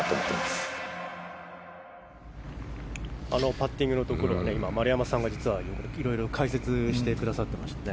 パッティングのところは丸山さんが実はいろいろ解説してくださっていました。